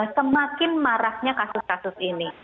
semakin maraknya kasus kasus ini